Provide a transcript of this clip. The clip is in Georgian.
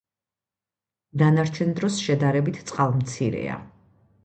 დანარჩენ დროს შედარებით წყალმცირეა.